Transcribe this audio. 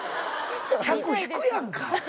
客引くやんか。